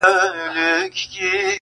چي د حق ناره کړي پورته له ممبره,